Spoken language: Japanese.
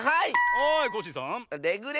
はいコッシーさん。